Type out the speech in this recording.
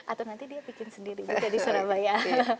atau nanti dia bikin sendiri juga di surabaya